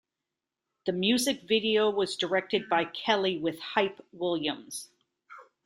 The music video was directed by Kelly with Hype Williams.